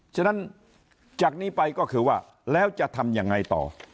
ฉะนั้นจากนี้ไปก็คือว่าแล้วจะทำยังไงต่อ